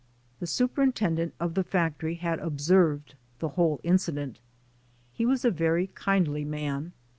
The superintendent of the factorv had observed the whole incident. He was a very kindly man.